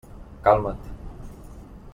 Calma't.